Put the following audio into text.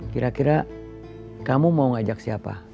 kira kira kamu mau ngajak siapa